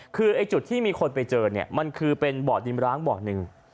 คือไอ้จุดที่มีคนไปเจอเนี่ยมันคือเป็นบ่อดินร้างบ่อหนึ่ง